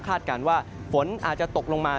การว่าฝนอาจจะตกลงมา